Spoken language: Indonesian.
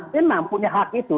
memang punya hak itu